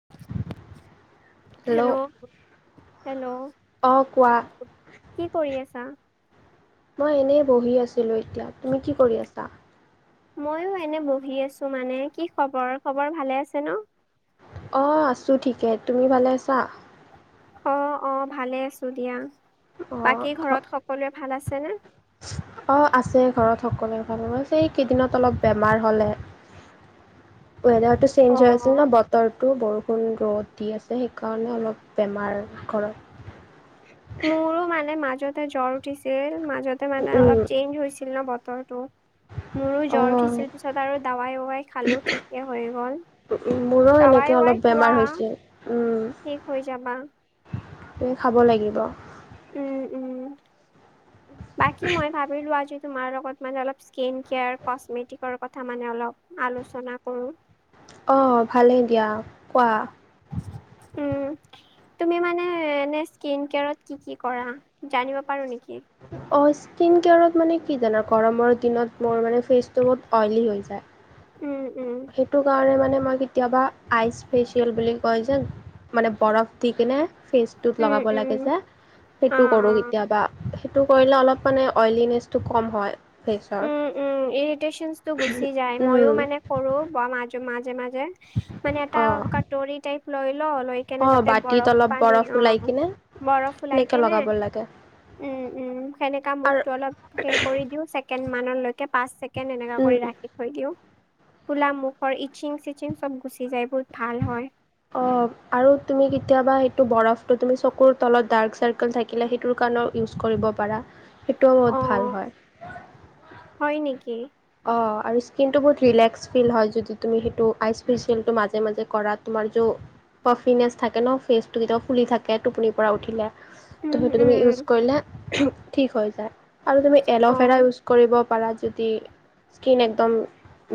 [inaudible] Hello, hello অঁ কোৱা কি কৰি আছা? মই এনেই বহি আছিলোঁ এতিয়া। তুমি কি কৰি আছা? ময়ো এনে বহি আছোঁ মানে। কি খবৰ, খবৰ ভালে আছে ন'? অ' আছোঁ ঠিকে। তুমি ভালে আছা? অ', অ' ভালে আছোঁ দিয়া। অঁ বাকী ঘৰত সকলোৱে ভাল আছে ন'? অ' আছে ঘৰত সকলোৰে ভালে, মই কৈছি এই কেইদিনত অলপ বেমাৰ হ'লে। [inaudible] ৱেইদাৰটো অ চেঞ্জ হৈ আছিল ন' বতৰটো বৰষু কোন ৰ'দ দি আছে সেইকাৰণে অলপ বেমাৰ ঘৰত মোৰো মানে মাজতে জ্বৰ উঠিছিল মাজতে মানে উম অলপ চেঞ্জ হৈছিল ন ব তটো মোৰো জ্বৰ অঁ উঠিছিল পিছত আৰু দাৱাই ৱাই খালো ঠিকে হৈ গ'ল মোৰো তাৱাই এনেকৈ অলপ ৱাই খোৱা বেমাৰ হৈছিল ঠিক হৈ যাবা খাব লাগিব উম উম বাকী মই ভাবিলো আজি তোমাৰ লগত ম অল স্ কেয় কে কথা মানে অল আলোচনা কৰো অঁ ভালেই দিয়া কোৱা উম তুমি মানে এনে স্কিন কেয়াৰত কি কি কৰা জানিব পাৰো নেকি অ স্কিন কেয়াৰত মানে কি জানো গৰমৰ দিনত মোৰ মানে ফেচটো বহুত অইলী হৈ যায় উম, উম, সেইটো কাৰণে মানে মই কেতিয়াবা আইচ ফেচিয়েল বুলি কয় যে মানে বৰফ দিিক নে ফেচ ত উম, লগাব উম, লাগে যে অ', সেইটো কৰো অ', কেতিয়াবা সেইটো কৰিলে অলপ মানে অইলিনেচটো কম হয় ফেচৰ উম উম ইৰিটেশচনচটো গুচি যায় মইো উম মানে সৰু মাজ মাজে মাজে মানে এটা অঁ কাটৰিী টাইপ লৈ ল ল কেনে অঁ তাতে বাতিত বৰফ অলপ পানী বৰফ অ ওলাই কিনে বৰফ ওলাই সেনেকৈ কেনে লগাব লাগে উম উম সেনেকা আৰু মুখটো অলপ সে কৰি দিও চ ড মানলৈকে পচ ছেকেণ্ড এনেকা উম, কৰি ৰাখি থ দিও ফুলা মুখৰ ইচিং চিচিং চব গুচি যায় বহুত ভাল হয় অ আৰু তুমি কেতিয়াবা সেইটো বৰফটো তুি চকুৰ তলতক চাৰ্ থ থাকিলে সেইটোৰ কাৰণেও ইউজ কৰিব পাৰা সেইটোও বহুত ভাল অ', হয় হয় নেকি অ স্কিনটো বহুত ফ হয় য তুমি সেইই ফেচিয়টো মাজে মাজে কৰা তোমাৰ পাৰ্ফিনেছ থাকে ন ফেচটো কেতিয়াও ফুলি থাকে টোপনিৰ পৰা উঠিলে ত' উম, সেইটো তুমি উম। ইউজ কৰিলে ঠিক হৈ যায় আৰু তুমি অ এল'ভেৰা ইউজ কৰিব পৰাাৰা যদি স্কিন একদম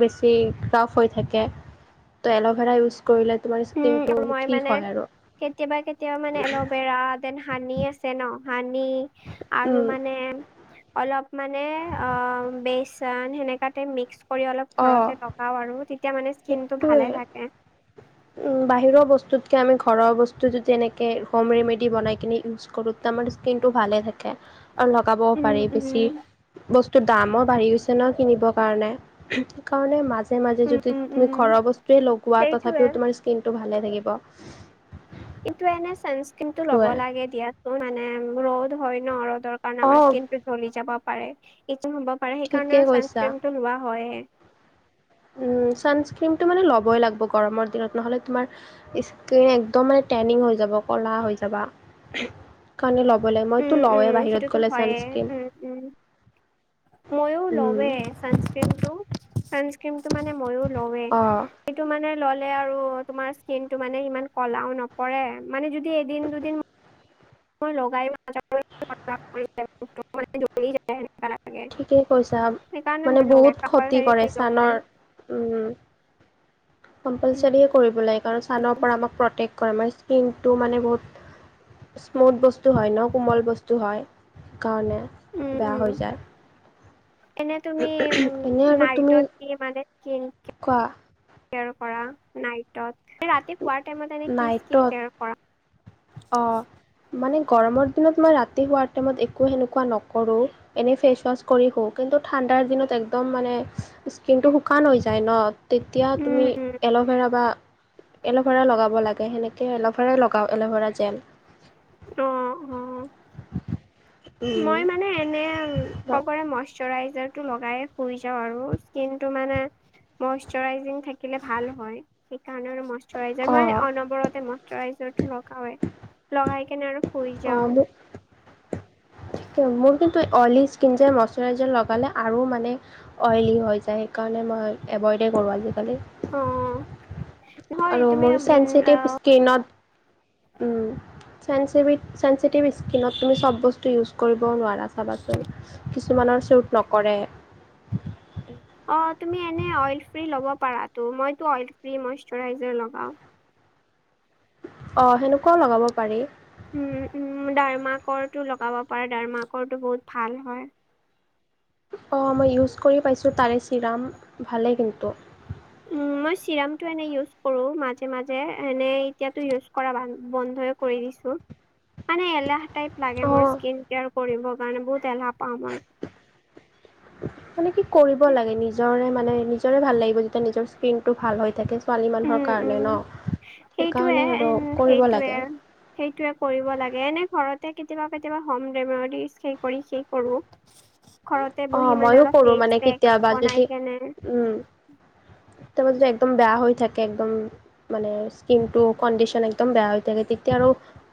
বেছি ৰাফ হৈ থাকে ত' এল'ভেৰা ইউজ কৰিলে তোমাৰ স্কিন টো উম মই মানে ঠিক হয় আৰু কেতিয়াবা কেতিয়াবা মানে এল'ভেৰা দেন হানি আছে ন হানি আৰু মানে অলপ মানে অ বেচন সেনেকাতে মিক্স কৰি অলপ অঁ ঘৰতে লগাও আৰু, তেতিয়া মানে স্কিন টো সেইটোৱে ভালে থাকে। বাহিৰৰ বস্তুতকৈ আমি ঘৰৰ বস্তু যদি এনেকৈ হোম ৰেমেডি বনাই কিনে ইউজ কৰোঁ আমাৰ স্কিন টো ভালে থাকে, আৰু লগাবও উম পাৰি উম বেছি। বস্তু দামো বাঢ়ি গৈছে ন কিনিবৰ কাৰণে, সেইকাৰণে মাজ মাজে মাজে উম যদি উম তুমি উম ঘ'ৰ বস্তুৱে লগোৱা সেইটোয়ে তথাপিও তোমাৰ স্কিনটো ভালে থাকিব। কিন্তু এনে ছানস্ক্ৰীম ল'ব সেইটোৱে লাগে দিয়াচোন, মানে ৰ'দ হয় ন' ৰ কাৰণে অ আমাৰ স্কিন টো জ্বলি যাব পাৰে, এইটো হ'ব পাৰে সেই ঠিকে কাৰণে আৰু কৈছা ছানস্ক্ৰীম টো লোৱা হয়ে। ছানস্ক্ৰীমটো মানে ল'বই লাগিব গৰমৰ দিনত নহ'লে তোমাৰ স্কিন একদম মানে টেনিং হৈ যাব কলা হৈ যাবা। কাৰণে ল'ব লাগে মইতো উম উম, লওঁৱেই বাহিৰত সেইটোটো গ'লে হয়ে ছানস্ক্ৰীম উম উম। ময়ও উম লৱে ছানস্ক্ৰীমটো, ছানস্ক্ৰিমটো মানে মইও লৱে। অ', এইটো মানে ললে আৰু তোমাৰ স্কিনটো মানে ইমান কলাও নপৰে, মানে যদি এদিন দুদিন ম লগাইও ঠিকেই কৈছা। মানে বহুত ক্ষতি কৰে ছালৰ [unintelligible] [inaudible] উম। [inaudible] কম্পালচাৰীয়ে কৰিব লাগে, কাৰণ সানৰ পৰা আমাক প্ৰটেক্ট কৰে আমাৰ স্কিনটো মানে বহুত স্মুথ বস্তু হয় ন' কোমল বস্তু হয়, সেই কাৰণে উম বেয়া উম হৈ যায়। এনে তুমি উ এনে আৰু তুমি নাইটত কি মান স্কিন কোৱা কেয়াৰ কৰা নাইটত, ৰাতি শুৱাৰ টাইমত এনে কি স্কিন নাইটত কেয়াৰ কৰা? অ' মানে গৰমৰ দিনত মই ৰাতি শোৱাৰ টাইমত একো সেনেকুৱা নকৰোঁ। এনেই ফেচ ৱাছ কৰি শো, কিন্তু ঠাণ্ডাৰ দিনত একদম মানে স্কিনটো শুকান হৈ যায় ন'। তেতিয়া উম তুমি উম এল'ভেৰা বা এল'ভেৰা লগাব লাগে সেনেকৈ। এতিয়া এল'ভেৰাই লগাওঁ এল'ভেৰা জেল। অ', অ',। মই মানে এনে ক'বৰে [unintelligible] ময়েশ্চাৰাইজাৰ লগাইয়ে শুই যাওঁ আৰু স্কিন টো মানে ময়েশ্চাৰাইজিং থাকিলে ভাল হয়, সেইকাৰণে মানে শ্চাৰইজাৰ মই অঁ অনবৰতে ময়েশ্চাৰাইজাৰ টো লগওে, লগাই কেনে আৰু শুই অঁ যাওঁ। মোৰ [inaudible] মোৰ কিন্তু অইলি স্কিন যে ময়েশ্চাৰাইজাৰটো লগালে আৰু মানে অইলি হৈ যায়, সেইকাৰণে মই এভইডেই কৰোঁ আজিকালি। অ' নহয় আৰু তুমি মোৰ বিন অ চেঞ্চিটিভ স্কিনত উম, চেঞ্চিভিত চেঞ্চিটিভ স্কিনত তুমি চ'ব বস্তু ইউজ কৰিব নোৱাৰা চাবাচোন, কিছুমানৰ ছুট নকৰে। অ' তুমি এনে অইল ফ্ৰী লব পাৰাটো, মইতো অইল ফ্ৰি ময়েশ্চাৰাইজাৰ লগাও। অ' সেনেকুৱাও লগাব পাৰি। উম উম, ডাৰ্মা কো টো লগাব পাৰা, ডাৰ্মা কো বহুত ভাল হয়। অ' মই ইউজ কৰি পাইছোঁ তাৰে চিৰাম, ভালেই কিন্তু। উম, মই চিৰামটো এনে ইউজ কৰো মাজে মাজে, এনে এতিয়াতো ইউজ কৰা বা বন্ধই কৰি দিছো, মানে এলাহ টাইপ লাগে মোৰ অঁ স্কিন কেয়াৰ কৰিবৰ কাৰণে বহুত এলাহ পাওঁ মই। মানে কি কৰিব লাগে নিজৰে মানে নিজৰে ভাল লাগিব যেতিয়া নিজৰ স্কিন টো ভাল হৈ থাকে। ছোৱালী মানুহৰ উম, কাৰণে উম, ন' সেইটোৱে সেইকাৰণে আৰু উম, কৰিব সেইটোৱে। লাগে। সেইটোৱে কৰিব লাগে, এনে ঘৰতে কেতিয়াবা কেতিয়াবা হোম ৰেমেডি সেই কৰি সেই কৰো। ঘৰতে অ বহি মানে মইয়ো অলপ কৰো মানে ফেচ পেক কেতিয়াবা যদি বনাই কেনে। তাৰপা যদি একদম বেয়া হৈ থাকে একদম মানে স্কিন টো কণ্ডিচন একদম বেয়া হৈ থাকে তেতিয়া আৰু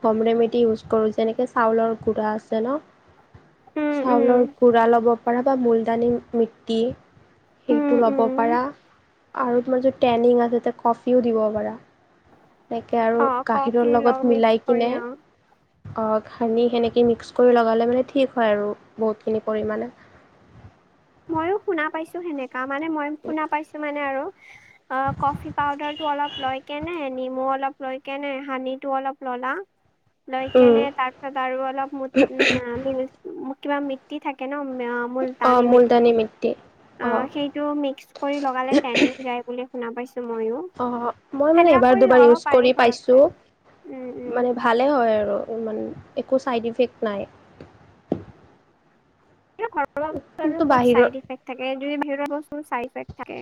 হোম ৰেমেডি ইউজ কৰো, যেনেকে চাউলৰ গুড়া আছে ন'। উম, উম। চাউলৰ গুৰা ল'ব পৰা বা মূলতানী মিট্টি উম, সেইটো ল'ব উম, পাৰা আৰু তোমাৰ যদি টেনিং আছে তে কফিও দিব পাৰা এনেকে আৰু অ', কফি গাখীৰৰ লগ লগত মিক্স মিলাই কৰি কিনে অ'। অ সানি সেনেকৈ মিক্স কৰি লগালে মানে ঠিক হয় আৰু বহুতখিনি পৰিমাণে ময়ো শুনা পাইছো সেনেকা মানে মই শুনা পাইছো মানে আৰু অ কফি পাউদাৰ টো অলপ লৈ কেনে নিমু অলপ লৈ কেনে হানিটো অলপ ললা [inaudible] লৈ উম, কেনে তাৰ পিছত আৰু অলপ ম কিবা মিট্টি থাকে ন অ মুলতানী মূলতানী মিটি মিট্টি অ সেইটো মিক্স কৰি লগালে টেনিং যায় বুলি শুনা পাইছো মই ও অ মই মানে এবাৰ দুবাৰ ইউজ কৰি পাইছো ঘৰতে উম উম মানে ভালে হয় আৰু ইমান একো ছাইড ইফেক্ট নাই এবিলাক ঘৰুৱা বস্তু আৰু কিন্তু ক'ত বাহিৰৰ চাইড ইফেক্ট থাকে যদি বাহিৰা বস্তু হয় ছাইড ইফেক্ট থাকে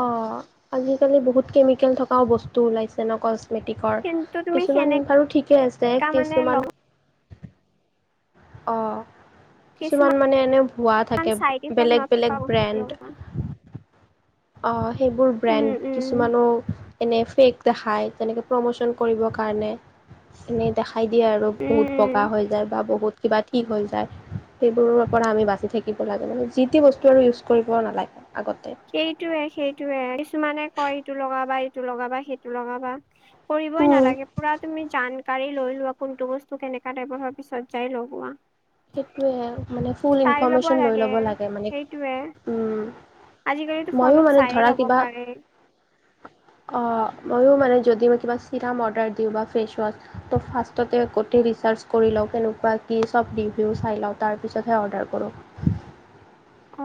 অ আজিকালি বহুত কেমিকেল থকাও বস্তু ওলাইছে ন ক মেটিকৰ কিন্তু তুমি কিছুমান সেনেকা বাৰু ঠিকেই আছে মানে লগ কিছুমান অ কিছুমান মানে এনেই ভুৱা থাকে চাইড ইফেক্ট বেলেগ বেলেগ নথকা বস্তু ব্ৰেণ্ড লগোৱা অ, সেইবোৰ উম ব্ৰেণ্ড কিছু উম কিছুমানো এনে ফেক দেখায় তেনেকে প্ৰমোচন কৰিবৰ কাৰণে। এনেই দেখাই দিয়ে আৰু বহুত উম বগা হৈ যায়, বা বহুত কিবা ঠিক হৈ যায়। সেইবোৰৰ পৰা আমি বাচি থাকিব লাগে, মানে যি তি বস্তু আৰু ইউজ কৰিব নালাগে আগতে। সেইটোয়ে-সেইটোয়ে কিছুমানে কয় ইটো লগাবা, ইটো লগাবা, সেইটো লগাবা। কৰিবই উম। নালাগে, পুৰা তুমি জান কাঢ়ি লৈ লোৱা কোনটো বস্তু কেনেকা টাইপৰ হোৱাৰ পিছত যায় লগুৱা। সেইটোৱে মানে ফুল ইনফৰমেশ্যন লৈ ল'ব লাগে মানে। সেইটোৱে উম, আজিকালিতো ময়ো ফোনত মানে চায়য়ে ধৰা ল'ব কিবা পাৰে। অ, ময়ো মানে যদি মই কিবা চিৰাম অৰ্ডাৰ দিওঁ বা ফেচ ৱাশছ ত' ফাৰ্ষ্টতে গোটেই ৰিচাৰ্চ কৰি লওঁ কেনেকুৱা কি চব ৰিভিউ চাই লওঁ তাৰপিছতহে অৰ্ডাৰ কৰোঁ। অ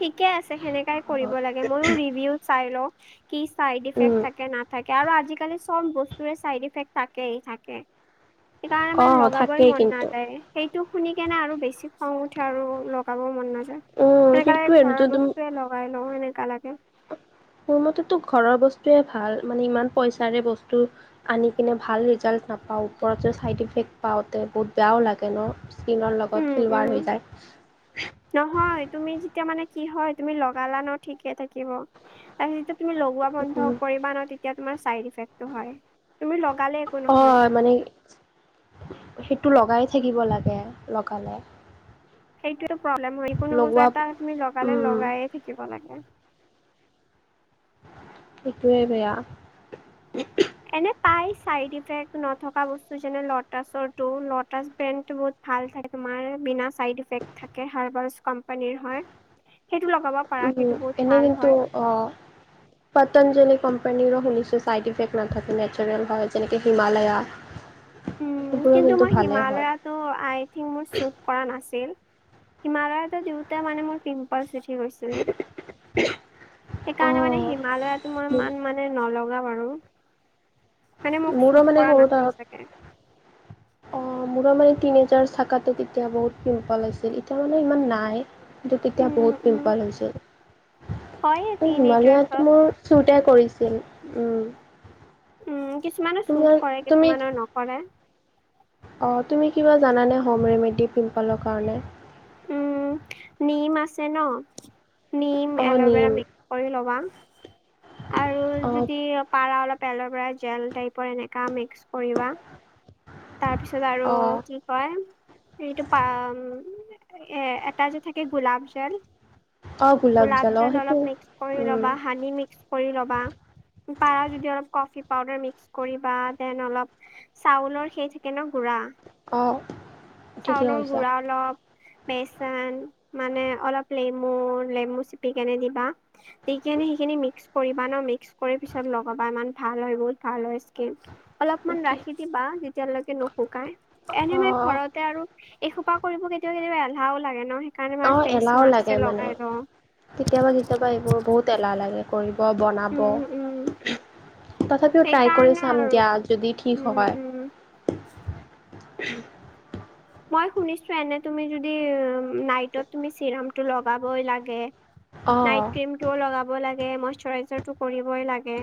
ঠিকে আছে, সেনেকাই কৰিব লাগে ময়ো ৰিভি চাই লও। কি চাইড উম, ইফেক্ট থাকে ন থাকে আৰু আজিকালি সব বস্তুে চাইড ইফেক্ট থাকেই থাকে। সেইকাৰণে অ' মানে লগাবই থাকেই মন কিন্তু। নাযায়। সেইটো শুনিকনে আৰু বেছি খং উঠে আৰু লগাবও মন নাযায়। উম, সেইনেকালে সেইটোয়ে ঘৰৰ যোনটো বস্তুৱয়ে লগাই লও এনেকা লাগে। মোৰ মতেতো ঘৰৰ বস্তুৱয়ে ভাল, মানে ইমান পইচাৰে বস্তু আনি কিনে ভাল ৰিজাল্ট নাপাওঁ ওপৰত যে ছাইড ইফেক্ট পাওঁতে বহুত বেয়াও লাগে ন। স্কিনৰ উম লগত খেলৱাৰ হৈ উম যায়। নহয় তুমি যেতিয়া মানে কি হয় তুমি লগালা ন ঠিকে থাকিব। তাৰপিছত তুমি লগোৱা বন্ধ কৰিবা ন, তেতিয়া তোমাৰ চাইদ এফেক্ট টো হয়। তুমি লগালেই হয়, মানে সেইটো লগাই থাকিব লাগে লগালে। সেইটো প্ৰব্লেম হয় কোনো বস্তু লগোৱা এটা তুমি লগালে উম, লগাই থাকিব লাগে। সেইটোৱেই বেয়া। এনে পাই ছাইড ইফেক্ট নথকা বস্তু যেনে লটাছৰটো, লটাছ ব্ৰেণ্ডটো বহুত ভাল থাকে তোমাৰ বিনা চাইড এফেক্ট থাকে, হাৰ্বেল কোম্পানীৰ হয়। সেইটো লগাব পাৰা উম, সেইটো বহুত এনেই ভাল কিন্তু হয়। পতঞ্জলি কোম্পানীৰো শুনিছো চাইড ইফেক্ট নাথাকে নেচাৰেল হয়, যেনেকে হিমালয়া। উম, সেইবোৰো কিন্তু মই ভালে হয়। হিমালয়ত ত' আই থিংক মোৰ শুট কৰা নাছিল। হিমালয়ত দিওঁতে মানে মোৰ পিম্পল হৈ গৈছিল। সেইকাৰণে মানে অঁ হিমালয়টো মই ইমান মানে নলগা বাৰু। মানে মোক মোৰো শ্বুট মানে কৰা নাছিল চাগে। অ, মোৰো মানে তিনি এজাৰ চখাতে তেতিয়া বহুত পিম্পল আছিল, এতিয়া মানে ইমান নাই। কিন্তু তেতিয়া উম বহুত উম পিম্পল হৈছিল, হয়ে হিমালয়টো টিনেজাৰ্চত মোৰ শ্বুটে কৰিছিল। উম, উম, কিছুমানে চোট কৰে কিছুমানৰ নকৰে। অ, তুমি কিবা জানে হোম ৰেমেডি পিম্পলৰ কাৰণে? উম নিম আছে ন, নিম অঁ এল'ভেৰা নিম মিক্স কৰি ল'বা। আৰু অঁ যদি পাৰা অলপ এলৰ পৰা জেল টাইপৰ এনেকা মিক্স। কৰিবা, তাৰপিছত আৰু অঁ কি? হয়, এইটো এ এটা যে থাকে গোলাপ জল। অঁ গোলাপ অঁ জল সেইটো অলপ মিক্স কৰি ল'বা, হানি মিক্স কৰি ল'বা। পাৰা যদি অলপ কফি পাউডাৰ মিক্স কৰিবা। দেন অলপ চাউলৰ সেই থাকে ন গুড়া, অঁ ঠিকেই চাউলৰ কৈছা গুড়া অলপ। বেচন মানে অলপ লেমু-লেমু চেপি কেনে দিবা। স কিনে সেইখিনি মিক্স কৰিবা ন' মিক্স কৰি পিছত লগাবা ইমান ভাল হয়, বহুত ভাল। অলপমান ৰাখি দিবা, যেতিয়ালৈকে নুশুকাই এনে মই অঁ ঘৰতে আৰু। এসোপা কৰিব কেতিয়াব-কেতিয়াবা এলাহাও লাগে ন' সেইকাৰণোৰ ফেচ মাস্ক লগাই লওঁ। কেতিয়াবা-কেতিয়াবা এইবোৰ বহুত এলাহ লাগে কৰিব বনাব। উম উম তথাপিও ট্ৰাই সেইকাৰণে কৰি চাম আৰু দিয়া, যদি ঠিক উম হয়। উম। মই শুনিছোঁ এনে তুমি যদি নাইটত তুমি চিৰামটো লগাবই লাগে। অ' নাইট কিৰিমটো লগাব লাগে, মইশ্বটোৰাইজাৰটো কৰিবই লাগে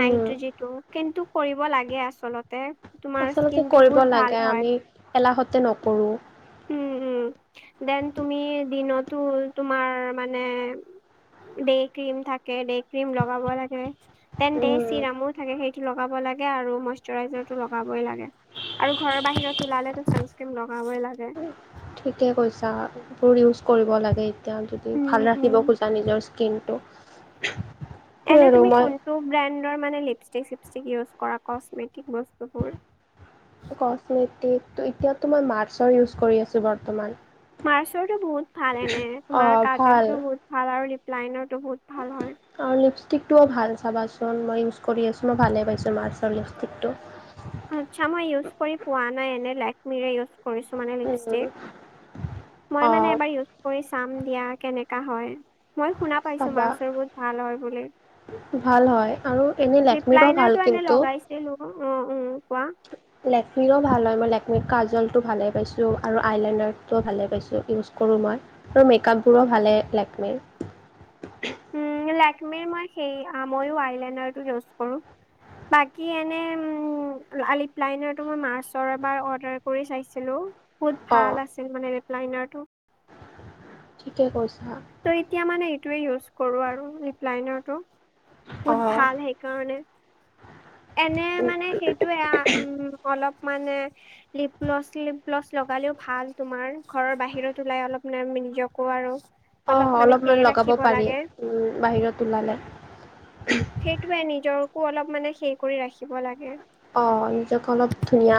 উম যিটো কিন্তু কৰিব লাগে আচলতে। তোমাৰ আচলতে স্কিনটো কৰিব বহুত ভাল লাগে, হয়। আমি এলাহতে নকৰোঁ। উম, উম, দেন তুমি দিনতো তোমাৰ মানে ডে, ক্ৰীম থাকে, ডে ক্ৰীম লগাব লাগে, তেন্তে উম চিৰামো থাকে সেইটো লগাব লাগে আৰু মইশ্বটোৰাইজাৰটো লগাবই লাগে। আৰু ঘৰৰ বাহিৰত ওলালেতো ছানস্ক্ৰীম লগাবই লাগে। ঠিকে কৈছা, এইবোৰ ইউজ কৰিব লাগে এতিয়া। উম ভাল উম। ৰাখিব খোজা নিজৰ স্কিনটো, সেইটোৱে আৰু মই টু ব্ৰেণ্ডৰ মানে লিপষ্টিক চিপষ্টিক ইউজ কৰা, কচমেটিক বস্তুবোৰ। কচমেটিক এতিয়াতো মই মাৰছৰ ইউজ কৰি আছোঁ বৰ্তমান। মাৰ্চৰতো বহুত ভাল এনে, তোমাৰ অ' ভাল। কাজলটো বহুত ভাল আৰু ৰিপলাইনৰো বহুত ভাল হয়। আৰু লিপষ্টিকটোও ভাল চাবাচোন, মই ইউজ কৰি আছোঁ, মই ভালেই পাইছোঁ মাৰ্চৰ লিপষ্টিকটো। আচ্ছা মই ইউজ কৰি পোৱা নাই এনে, লেকমিৰে ইউজ কৰিছোঁ মানে উম লিপষ্টিক। মই মানে অ' এবাৰ ইউজ কৰি চাম দিয়া, কেনেকা হয়, মই শুনাত পাইছোঁ চাবা মাৰছৰ বহুত ভাল হয় বুলি। ভাল হয় আৰু এনেই লেকমিৰোঁ ভাল কিন্তু। হেল্ল' অ' অ' কোৱা? লেকমিৰো ভাল হয়, মই লেকমিৰ কাজলটো ভালে পাইছোঁ আৰু আইলেনাৰটো ভালে পাইছোঁ ইউজ কৰোঁ মই, আৰু মেকআপবোৰো ভালে লেকমিৰ। উম, লেকমিৰ মই সেই আ, ময়ো আইলেনাৰটো ইউজ কৰোঁ। বাকী এনে আলিপলাইনৰটো মই মাৰ্চৰ এবাৰ অৰ্ডাৰ কৰি চাইছিলো। বহুত অ ভাল আছিল মানে ৰিপ্লাইনাৰটো। ঠিকে কৈছা। ত' এতিয়া মানে এইটোয়ে ইউজ কৰোঁ আৰু লিপলাইনাৰটো অ বহুত ভাল। সেইকাৰণে, এনে মানে সেইটোয়ে উ, অলপ মানে লিপলছ লিপলছ লগালেও ভাল, তোমাৰ ঘৰৰ বাহিৰত ওলাই অলপ ন' নিজকো আৰু অ' অলপ মানে অলপমান সেই লগাব ৰাখিব পাৰি, লাগে। উ, বাহিৰত ওলালে। সেইটোয়ে, নিজৰকো অলপ মানে সেই কৰি ৰাখিব লাগে। অ' নিজকে অলপ ধুনীয়া